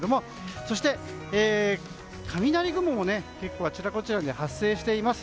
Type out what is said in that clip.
そして、雷雲もあちらこちらで発生しています。